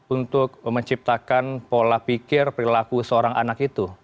untuk menciptakan pola pikir perilaku seorang anak itu